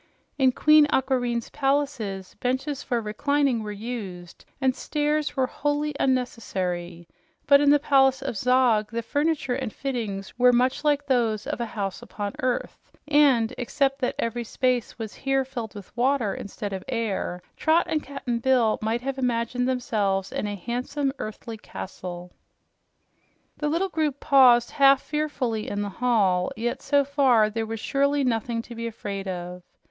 In Queen Aquareine's palaces benches for reclining were used, and stairs were wholly unnecessary, but in the Palace of Zog the furniture and fittings were much like those of a house upon earth, and except that every space here was filled with water instead of air, Trot and Cap'n Bill might have imagined themselves in a handsome earthly castle. The little group paused half fearfully in the hall, yet so far there was surely nothing to be afraid of.